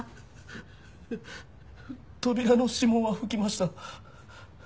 扉の指紋は拭きました。